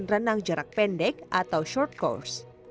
dan renang jarak pendek atau short course